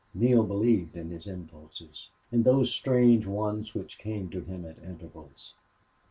Neale believed in his impulses in those strange ones which came to him at intervals.